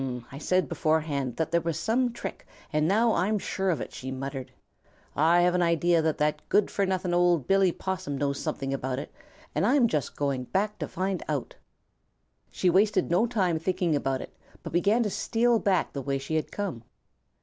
"I said beforehand that there was some trick, and now I'm sure of it," she muttered. "I have an idea that that good for nothing old Billy Possum knows something about it, and I'm just going back to find out." She wasted no time thinking about it, but began to steal back the way she had come.